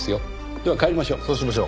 では帰りましょう。